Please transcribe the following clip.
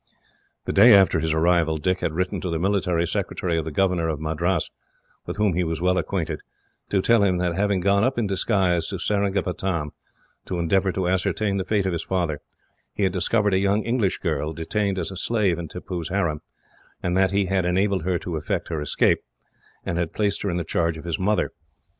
The day after his arrival, Dick had written to the military secretary of the governor of Madras, with whom he was well acquainted, to tell him that, having gone up in disguise to Seringapatam, to endeavour to ascertain the fate of his father, he had discovered a young English girl, detained as a slave in Tippoo's harem, and that he had enabled her to effect her escape, and had placed her in the charge of his mother.